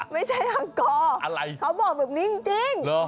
ไม่ใช่อังกรเขาบอกแบบนี้จริง